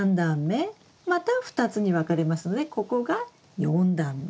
また２つに分かれますのでここが４段目。